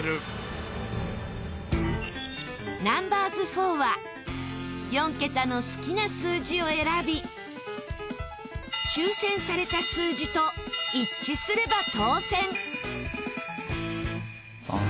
ナンバーズ４は４桁の好きな数字を選び抽せんされた数字と一致すれば当せん。